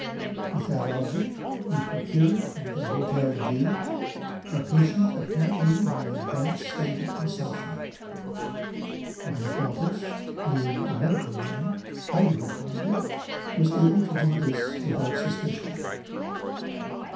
With that object, we procured from the Hotel Dieu a patient apparently in an advanced state of consumption. My accomplice, being a medical man, highly recommended, was able to do this without suspicion.